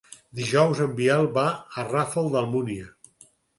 Dijous en Biel va al Ràfol d'Almúnia.